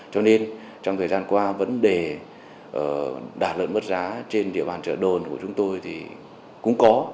cho nên trong thời gian qua vấn đề đàn lợn mất giá trên địa bàn chợ đồn của chúng tôi thì cũng có